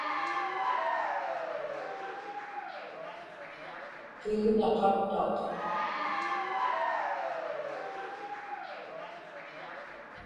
kigña qattaq